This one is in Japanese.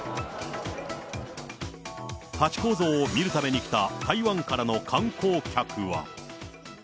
ハチ公像を見るために来た、台湾からの観光客は。